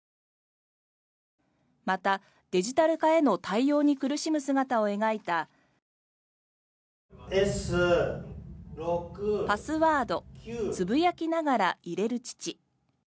また、デジタル化への対応に苦しむ姿を描いた「パスワードつぶやきながら入れる父」。